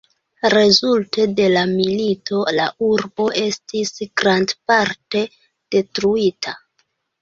Rezulte de la milito la urbo estis grandparte detruita.